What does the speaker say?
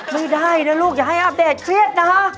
ไม่ได้นะลูกอย่าให้อัปเดตเครียดนะฮะ